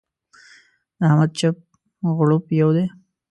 د احمد چپ و غړوپ يو دی.